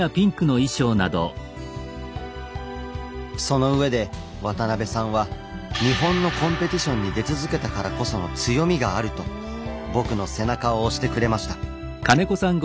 そのうえで渡邉さんは「日本のコンペティションに出続けたからこその強みがある」と僕の背中を押してくれました。